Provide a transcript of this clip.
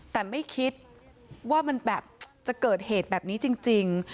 แต่ไม่คิดว่ามันแบบจะเกิดเหตุแบบนี้จริง